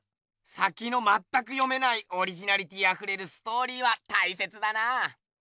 さきのまったく読めないオリジナリティーあふれるストーリーはたいせつだなぁ。